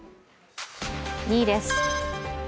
２位です。